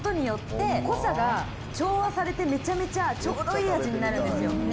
されてめちゃめちゃちょうどいい味になるんですよ。